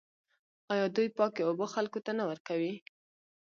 آیا دوی پاکې اوبه خلکو ته نه ورکوي؟